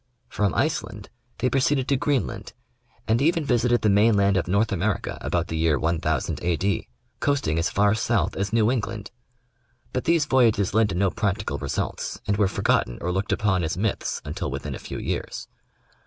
From Iceland they proceeded to Greenland and even visited the main land of North America about the year 1000 A. D., coasting as far south as New England; but these voyages led to no practical results, and were forgotten or looked upon as myths, until within a few years.